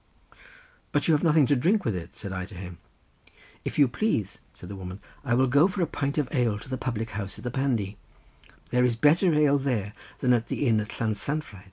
"But you have nothing to drink with it," said I to him. "If you please," said the woman, "I will go for a pint of ale to the public house at the Pandy; there is better ale there than at the inn at Llansanfraid.